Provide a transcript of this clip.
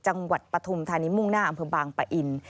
จังหวัดปฐมธานิมุ่งหน้าอำเภอบางปะอิน